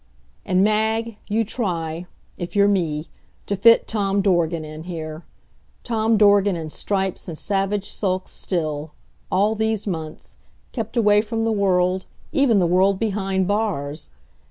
And, Mag, you try if you're me to fit Tom Dorgan in here Tom Dorgan in stripes and savage sulks still all these months kept away from the world, even the world behind bars!